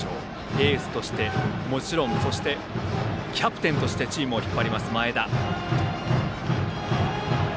エースとしてそしてキャプテンとしてチームを引っ張ります、前田。